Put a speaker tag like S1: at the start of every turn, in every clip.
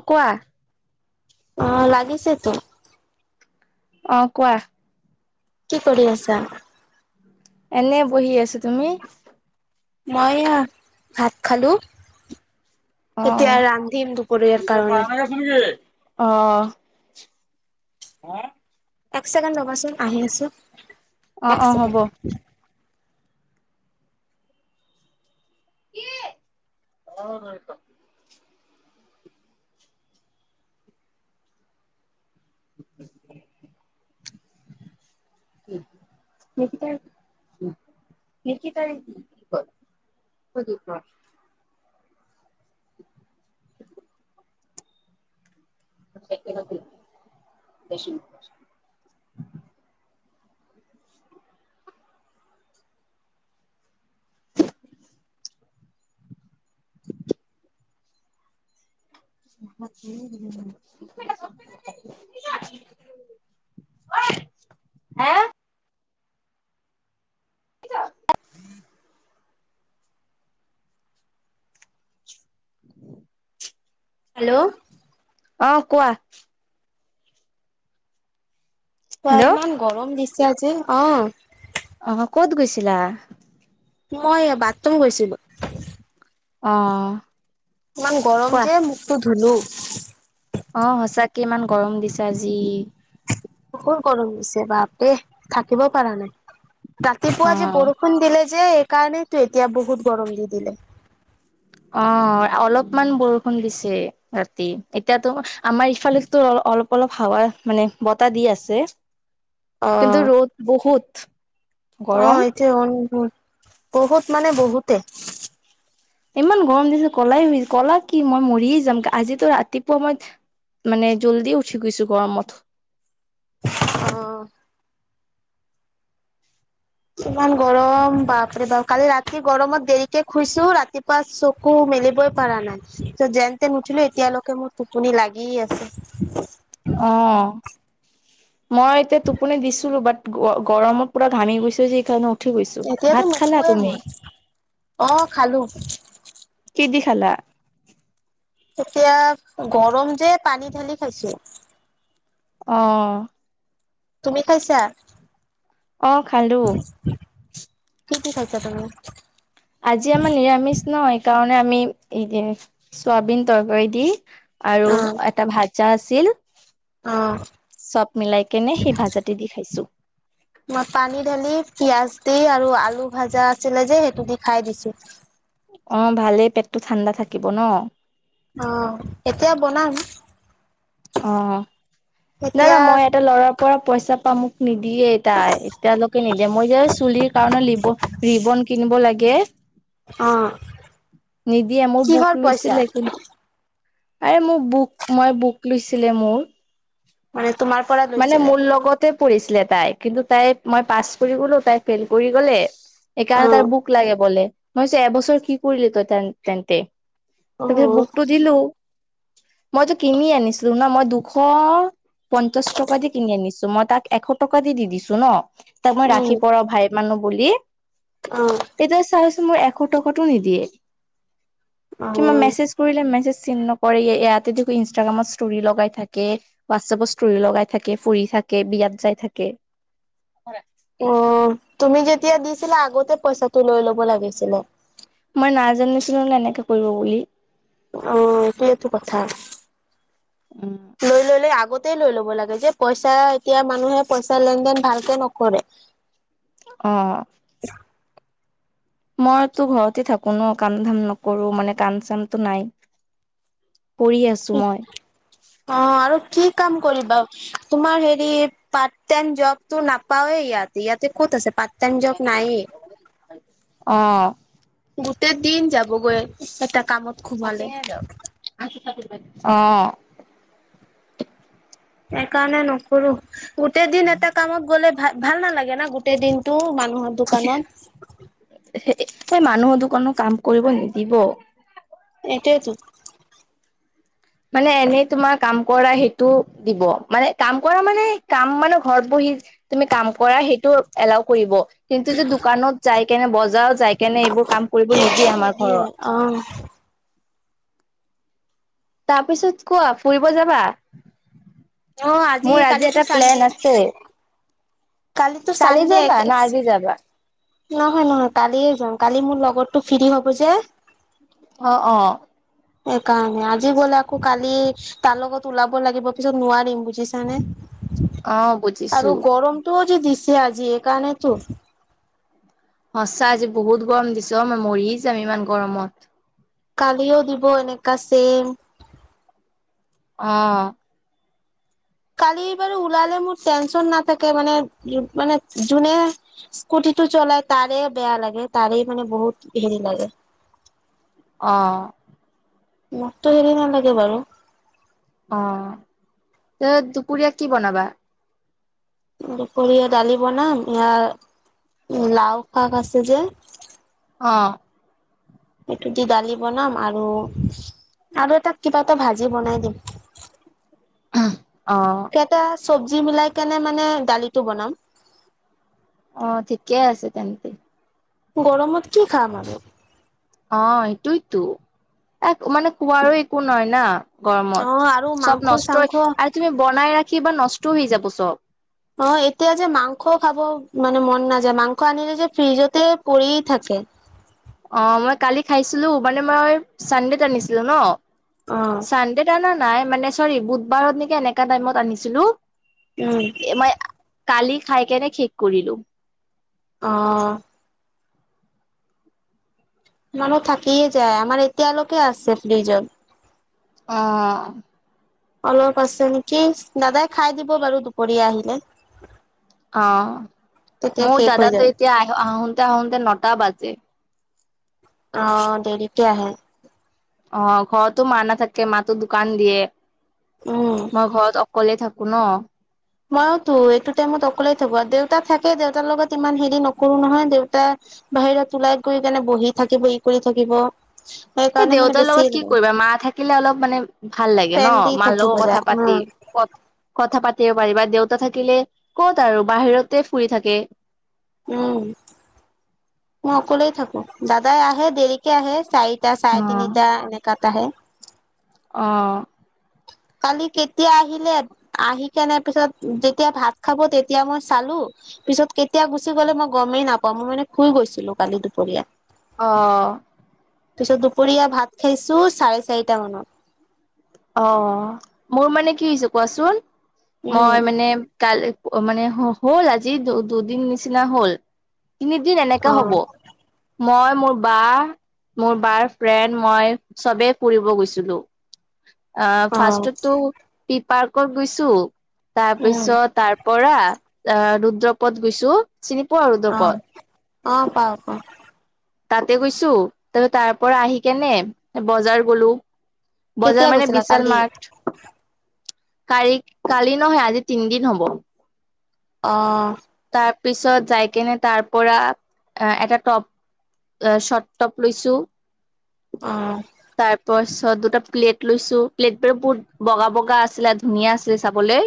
S1: অ কোৱা।
S2: অ লাগিছে তো।
S1: অ কোৱা।
S2: কি কৰি আছা।
S1: এনে বহি আছো। তুমি?
S2: মই ভাত খালো।
S1: অ
S2: এতিয়া ৰান্ধিম দুপৰীয়াৰ কাৰণে।
S1: অ। হা?
S2: এক ছেকেণ্ড ৰ'বাচোন আহি আছো,
S1: অ অ অ
S2: এক
S1: হ'ব
S2: ছেকেণ্ড।
S1: এ [unintelligible] উ নকিতাই নকিতায়ে [unintelligible] [unintelligible] [unintelligible] [unintelligible] হা, [unintelligible]
S2: হেল্ল',
S1: অ কোৱা।
S2: তই
S1: হেল্ল'
S2: ইমান গৰম দিছে আজি অ।
S1: অহ কত গৈছিলা?
S2: মই বাথৰুম গৈছিলো।
S1: অ।
S2: ইমান গৰম
S1: কোৱা
S2: যে মুখটো ধুলো।
S1: অ সঁচাকে ইমান গৰম দিছে আজি।
S2: বহুত গৰম দিছে, বাপ ৰে থাকিবও পৰা নাই।
S1: অ
S2: ৰাতিপুৱা যে বৰষুণ দিলে যে, সেইকাৰনেটো এতিয়া বহুত গৰম দি দিলে।
S1: অ অলপমান বৰষুণ দিছে ৰাতি। এতিয়াতো আমাৰ ইফালেটো অ অলপ অলপ হাৱা মানে বতাহ দি আছে।
S2: অ
S1: কিন্তু ৰ'দ বহুত
S2: অ
S1: গৰম
S2: এতিয়া বহুত মানে বহুতে
S1: ইমান গৰম দিছে ক'লাই কলা কি মই মৰিয়ে যাম। আজিতো ৰাতিপুৱা মই মানে জল্দি উঠি গৈছো গৰমত।
S2: অ। ইমান গৰম বাপৰে বাপ, কালি ৰাতি গৰমত দেৰিকে শুইছো ৰাতিপুৱা চকু মেলি পৰা নাই, যেনতে নুঠিলো এতিয়ালৈকে মোৰ টোপনি লাগিয়ে আছে।
S1: অ মই এতিয়া টোপনি দিছিলো বাট গৰমত পুৰা ঘামি গৈছে যে সেইকাৰণে, উঠি গৈছো।
S2: এতিয়াতো
S1: ভাত খালা
S2: নুশুৱে
S1: তুমি?
S2: মই অ খালো
S1: কি দি খালা?
S2: এতিয়া গৰম যে পানী ঢালি খাইছো।
S1: অ।
S2: তুমি খাইছা?
S1: অ খালো।
S2: কি দি খাইছা তুমি
S1: আজি আমাৰ নিৰামিষ ন, সেইকাৰণে আমি চোৱাবিন তৰকাৰী দি আৰু
S2: অ
S1: এটা ভাজা
S2: অ
S1: চব মিলাই কেনে সেই ভাজাতে দি খাইছো।
S2: মই পানী ঢালি পিয়াজ গোটেই আৰু আলু ভাজা আছিলে যে সেইটো দি খাই দিছো।
S1: অ ভালেই পেটটো ঠাণ্ডা থাকিব ন।
S2: অ এতিয়া বনাম।
S1: অ নানা
S2: এতিয়া
S1: মই এটা লৰাৰ পৰা পইচা পাম মোক নিদিয়ে তাই, এতিয়ালৈকে নিদিয়ে। মই যে চুলিৰ কাৰণে ৰিবন- কিনিব লাগে।
S2: অ।
S1: নিদিয়ে, মোৰ
S2: কিহৰ
S1: বুক
S2: পইচা
S1: লৈছিলিন। আ মোক বুক মই বুক লৈছিলে মোৰ।
S2: মানে তোমাৰ পৰা
S1: মানে
S2: লৈছিলে
S1: মোৰ লগতে কৰিছিলে তাই। কিন্তু তাই মই পাছ কৰি গ'লো তাই ফেইল কৰি গ'লে। সেইকাৰণে
S2: অ
S1: তাৰ বুক লাগে বলে। মই কৈছো এবছৰ কি কৰিলি তই তেন্তে।
S2: অ',
S1: তাৰপিছত বুকতটো দিলো। মইতো কিনি আনিছিলো ন, মই দুশ- পঞ্চাশ টকা দি কিনি আনিছো। মই তাক এশ টকা দি দি দিছো ন তাক মই ৰাখি
S2: উম,
S1: পৰ ভাই মানুহ বুলি।
S2: অ',
S1: এতিয়া চাইচোন মোৰ এশ টকাটো নিদিয়ে। কিবা
S2: অ',
S1: মেছেজ কৰিলে মেছেজ নকৰে। ইয়াতে দেখো ইনষ্টাগ্ৰামত ষ্টৰি লগাই থাকে, হোৱাটছএপত চুৰি লগাই থাকে, ফুৰি থাকে বিয়াত যাই থাকে।
S2: অ তুমি যেতিয়া দিছিলা আগতে পইচাটো লৈ ল'ব লাগিছিলে।
S1: মই নাজানিছিলো এনেকে কৰিব বুলি।
S2: অ সেইটো কথা।
S1: উম।
S2: তে লৈ ল'ব লাগে যে পইচা এতিয়া মানুহে পইচা লেন দেন ভালকে নকৰে।
S1: অ। মইতো ঘৰতে থাকো ন কাম ধাম নকৰো, মানে কাণ চানটো নাই। [unintelligible]
S2: অ
S1: মই
S2: আৰু কি? কাম কৰিবা তোমাৰ হেৰি পাৰট টাই জব তো নাপাওৱে ইয়াতে ইয়াতে ক'ত আছে। টাইম জব নায়ে।
S1: অ।
S2: এ দিন যাবগৈ এটা কামত সোমালে।
S1: অ।
S2: সেইকাৰণে নকৰো। গোটেই দিন এটা কামত গ'লে ভ ভাল নালাগে না গোটেই দিনটো। মান অ দোকানত।
S1: এ মানুহৰ দোকানত কাম কৰিব নিদিব।
S2: এইটোৱেতো
S1: মানে এনেই তোমাৰ কাম কৰা সেইটো দিব। মানে কাম কৰা মানে কাম মানে ঘৰত বহি তুমি কাম কৰা সেইটো এলাও কৰিব। কিন্তু যে দোকানত যাই কেনে, বজাৰত যাই কেনে এইবোৰ- কাম কৰিব নিদিয়ে আমাৰ ঘৰত। তাৰপিছত কোৱা ফুৰিব যাবা?
S2: অ
S1: মোৰ আজি
S2: কালিতো
S1: এটা প্লেন আছে।
S2: কালিটো
S1: কালি
S2: চানদে
S1: যাবা
S2: এক-
S1: না আজি যাবা
S2: নহয় নহয় কালিয়ে যাম। কালি মোৰ লগৰটো ফ্ৰী হব যে।
S1: অ অ।
S2: সেইকাৰণে আজি গলে আকৌ কালি তাৰ লগত ওলাব লাগিব পিছত নোৱাৰিম বুজিছানে-
S1: অ
S2: আৰু
S1: বুজিছো।
S2: গৰমটোও দিছে আজি এইকাৰণেটো।
S1: সঁচা আজি বহুত গৰম দিছ মই মৰি যাম ইমান গৰমত।
S2: কালিও দিব এনেকা চেম।
S1: অ।
S2: কালিবাৰু ওলালে মোৰ টেনচন নাথাকে মানে, মানে যোনে স্কুটি, টো চলাই তাৰে বেয়া লাগে তাৰে মানে বহুত হেৰি লাগে।
S1: অ।
S2: মোকতো হৰি নালাগে বাৰু।
S1: অ ত দুপৰীয়া কি বনাবা?
S2: দুপৰীয়া দালি, বনাম, ইয়াৰ লাও, শাক, আছে যে,
S1: অ
S2: এইটো দি দালি বনাম আৰু আৰু এটা কিবা এটা ভাজি বনাই দিম।
S1: অ
S2: এটা চব্জি মিলাই কিনে মানে দালিটো বনাম
S1: অ ঠিকে আছে তেন্তে
S2: গৰমত কি খাম আৰু
S1: অ এইটোইতো এক মানে কুঁৱাৰো একো নাই না
S2: অ
S1: গৰমত
S2: আৰু মাংস
S1: চব নষ্ট
S2: চাংস
S1: আৰু তুমি বনাই ৰাখি বা নষ্ট হৈ যাব চব
S2: অ এতিয়া যে মাংস খাব মান মন নাযায় মাংস আনিলে যে ফ্ৰিজতে পৰি থাকে- এক
S1: অ মই কালি খাইছিলো মানে মই চানডেত আনিছিলো ন
S2: অ
S1: চানডেত অনা নাই মানে চৰি বুধবাৰত নেকি এনেকা টাইমত আনিছিলো-
S2: উম
S1: এ মই কালি খাই কেনে শেষ কৰিলো
S2: অ, মানুহ থাকিয়ে যায় আমাৰ এতিয়া লৈকে আছে। ফ্ৰীজত
S1: অ,
S2: অলপ আছে নেকি দাদাই খাই দিব বাৰু দুপৰীয়া আহিলে।
S1: অ
S2: তেতিয়া
S1: মোৰ
S2: শেষ হৈ যাব
S1: দাদাটো এতিয়া আহ আহোতে আহোতে নটা বাজে।
S2: অ দেৰিকে আহে
S1: অ ঘৰতো মা নাথাকে মাতো দোকান দিয়ে
S2: উম।
S1: মই ঘৰত অকলে থাকো। কোনো
S2: ময়োতো এইটো টাইমত অকলেই থাকো দেউতা থাকে দেউতাৰ লগত ইমান হেৰি নকৰো নহয় দেউতা বাহিৰত ওলাই গৈ কেনে বহি থাকিব ই কৰি থাকিব।
S1: এই
S2: সেইকাৰণে মানে
S1: দেউতাৰ
S2: বেছি
S1: লগত কি কৰিবা মা থাকিলে অলপ মানে ভাল লাগে ন
S2: ফ্ৰেণ্ডলি
S1: মাৰ
S2: থাকিব
S1: লগো
S2: যায়
S1: কথা পাতি
S2: উম,
S1: কথা পাতি পাৰিব দেউতা থাকিলে ক'ত আৰু বাহিৰতে ফুৰি থাকে।
S2: উম মই অকলেই থাকো দাদাই আহে দেৰিকে আহে চাৰিটা
S1: অ
S2: চাৰে তিনিটা এনেকাত আহে
S1: অ
S2: কালি কেতিয়া আহিলে আহি কেনে পিছত যেতিয়া ভাত খাব তেতিয়া মই চালো। পিছত কেতিয়া গুচি গ'লে মই গমেই নাপাওঁ মই মানে শুই গৈছিলো কালি দুপৰীয়া
S1: অ
S2: তাৰপিছত দুপৰীয়া ভাত খাইছো চাৰে চাৰিটা মানত
S1: অ মোৰ মানে কি হৈছে কোৱাচোন
S2: উম,
S1: মই মানে কাল মানে হ'ল আজি দুদিন নিচিনা হল। তিনিদিন এনেকা
S2: অ',
S1: হব মই মোৰ বা মোৰ বাৰ ফ্ৰেণ্ড মই চবেই ফুৰিব গৈছিলো। অ
S2: অ',
S1: ফাৰ্ষ্টতো পি পাৰ্কত গৈছো। তাৰ
S2: উম,
S1: পিছত তাৰ পৰা আহ ৰুদ্ৰপদ গৈছো চিনি পোৱা
S2: অ
S1: ৰুদ্ৰপথ
S2: অ পাও পাও
S1: তাতে গৈছো তাৰপিছত তাৰ পৰা আহি কেনে বজাৰ গলো। বজাৰ
S2: কেতিয়া
S1: মানে
S2: গৈছিলা
S1: বিশাল
S2: কালি?
S1: মাক কালি কালি নহয় আজি তিনিদিন হ'ব।
S2: অহ
S1: তাৰ পিছত যাই কেনে তাৰ পৰা এটা টপ এ শৰ্ট টপ লৈছো
S2: অ',
S1: তাৰপাছত দুটা প্লেট লৈছো। প্লেট বোৰ বহুত বগা বগা আছিলে ধুনীয়া আছিলে চাবলে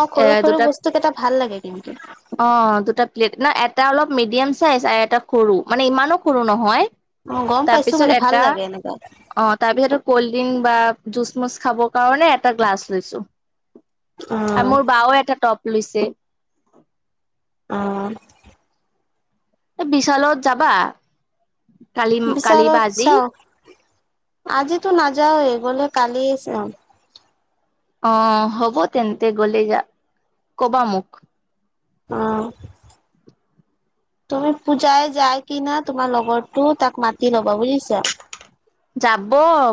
S2: অ সৰু সৰু বস্তু কেইটা ভাল লাগে কিন্তু।
S1: অ দুটা প্লেট না এটা অলপ মিডিয়াম চাইজ আৰু এটা সৰু। মানে ইমানো সৰু নহয়।
S2: অ', গম পাইছো
S1: তাৰপিছত
S2: মানে ভাল
S1: এটা
S2: লাগে এনেকা।
S1: অ, তাৰপিছটো ক'ল্ড ড্ৰিংক বা জুচমচ্‌ খাবৰ কাৰণে এটা গ্লাছ লৈছো। আৰু
S2: অ',
S1: মোৰ বাও এটা টপ্‌ লৈছে।
S2: অ
S1: এই বিশালত যাবা? কালি কালি বা আজি।
S2: আজিটো নাযাই। গ'লে কালি যাম।
S1: অ, হ'ব তেন্তে গলে যা কবা মোক?
S2: অঁ।
S1: [unintelligible]
S2: তুমি পূজাই যাই কি না? তোমাৰ লগৰটো, তাক মাতি ল'বা বুজিছা।
S1: যাব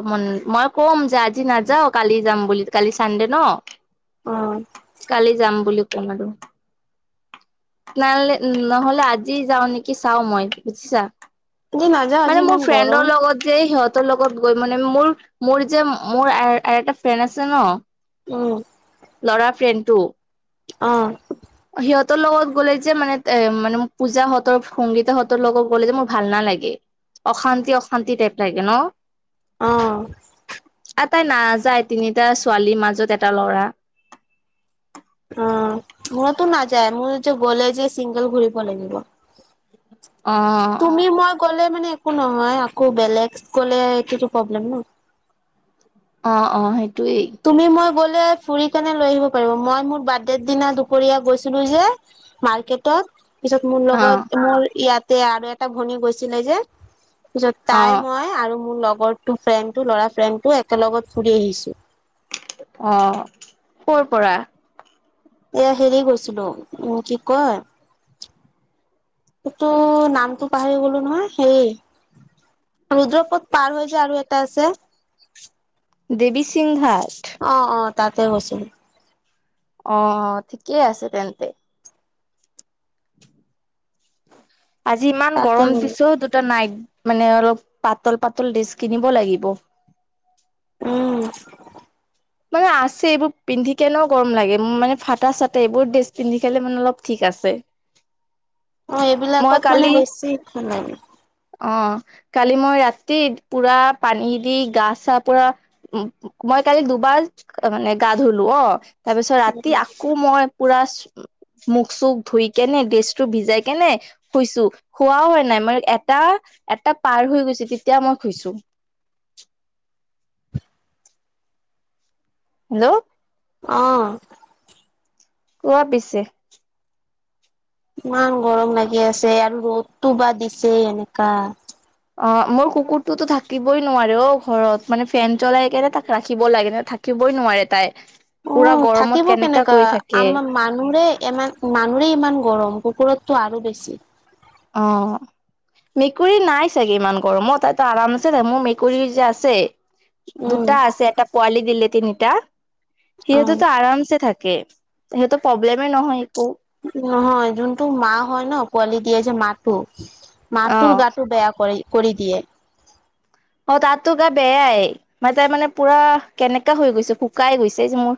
S1: মন, মই কম যে আজি নাযাওঁ কালি যাম বুলি। কালি চানডে ন'।
S2: অ',
S1: কালি যাম বুলি কম আৰু। নহলে, নহলে আজি যাওঁ নেকি চাওঁ মই। বুজিছা।
S2: আজি নাযাওঁ আজি
S1: মানে, মোৰ
S2: ইমান
S1: ফ্ৰেণ্ডৰ
S2: গৰম।
S1: লগত যে সিহঁত তাৰ লগত গৈ মানে মোৰ, মোৰ যে মোৰ এ এটা ফ্ৰেণ্ড আছে ন'।
S2: উম।
S1: ল'ৰা ফ্ৰেণ্ডটো।
S2: অ
S1: সিহঁতৰ লগত গ'লে যে মানে এ মানে মোক পূজাহঁতৰ, সংগীতাহঁতৰ লগত গ'লে যে মোৰ ভাল নালাগে। অশান্তি, অশান্তি টাইপ লাগে ন।
S2: অ-
S1: আ তাই নাযায়। তিনিটা ছোৱালীৰ মাজত এটা ল'ৰা।
S2: অ, মোৰটো নাযায়, মোৰটো গ'লে যে চিংগল ঘূৰিব লাগিব।
S1: অ
S2: তুমি, মই গ'লে মানে একো নহয়, আকৌ বেলেগ গ'লে এইতোটো প্ৰব্লেম ন?
S1: অ, অ সেই-
S2: তুমি, মই গ'ল- লে ফুৰিকিনে লৈ আহিব পাৰিব। মই মোৰ বাৰ্থদে দিনা দুপৰীয়া গৈছিলোঁ যে ৰ্মাকেতট। পিছত মোৰ
S1: অ
S2: লগত, মোৰ ইয়াতে আৰু এটা ভনী গৈছিলে যে- পিছত
S1: অ
S2: তাই, মই আৰু মোৰ লগৰটো, ফ্ৰেণ্ডটো, ল'ৰা ফ্ৰেণ্ডটো একে লগত ফুৰি আহিছোঁ।
S1: অ, ক'ৰ পৰা?
S2: এয়া, হেৰি গৈছিলোঁ। উম, কি কয়? এইটো, নামটো পাহৰি গলোঁ নহয়। সেই- ৰুদ্ৰপথ পাৰ হৈ যে আৰু এটা আছে?
S1: দেৱী সিংহাৰ।
S2: অ, অ তাতে গৈছিলোঁ।
S1: অ, ঠিকেই আছে তেন্তে। আজি ইমান
S2: তাতে
S1: গৰম
S2: গলো
S1: দিছে অ দুটা নাইট মানে অলপ পাতল পাতল ড্ৰেছ কিনিব লাগিব।
S2: ও
S1: মানে আছে, এইবোৰ পিন্ধি কেনেও গৰম লাগে। মানে ফটা-চাটা এইবোৰ ড্ৰেছ পিন্ধি কেনে, মানে অলপ ঠিক আ- আছে।
S2: অ,
S1: মই
S2: এইবিলাকত মানে
S1: কালি
S2: বেছি ভাল লাগে।
S1: অ', কালি মই ৰাতি পুৰা পানী দি গা-চা পুৰা উম, মই কালি পাল্‌ছ্‌, মানে গা ধুলো। অ', তাৰ পিছত ৰাতি আকৌ মই পুৰা মুখ-চুখ ধুই কেনে, ড্ৰেছটো ভিজাই কেনে, শুইছোঁ। শুৱাও এ নাই। মই এটা টা এটা পাৰ হৈ গৈছে, তেতিয়া মই শুইছোঁ। হেল্ল'?
S2: অ'।
S1: কোৱা পিছে।
S2: ইমান গৰম লাগি আছে আৰু ৰ'দটো বা দিছে এনেকা।
S1: অ', মোৰ কুকুৰটোতো থাকিবই নোৱাৰে অ ঘৰত, মানে ফেন চলাই কেনে তাক ৰাখিব লাগে ন থাকিব নোৱাৰে তাই।
S2: অ
S1: পুৰা গৰমত
S2: থাকিব কেনেকা?
S1: কৰি থাকে
S2: আমাৰ মানুৰে ইমান মানুৰে ইমান গৰম, কুকুৰতো টো আৰু বেছি।
S1: অ'। মেকুৰী নাই চাগে ইমান গৰমত মই তাইতো আৰামছে মোৰ মেকুৰী যে আছে
S2: উম
S1: দুটা আছে এটা পোৱালি দিলে তিনিটা
S2: অ
S1: সিহঁতেতো আৰামছে থাকে। সেতো প্ৰব্লেমে নহয় একো।
S2: নহয় যোনটো মা হয় ন পোৱালি দিয়ে যে মাটো
S1: অ
S2: মাটোৰ গাটো বেয়া কৰি কৰি দিয়ে।
S1: অ তাতো গা বেয়াই মা তাই মানে পুৰা কেনেকা হৈ গৈছে শুকাই গৈছে এই যে মোৰ